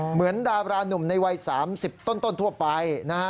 เหมือนดารานุ่มในวัย๓๐ต้นทั่วไปนะฮะ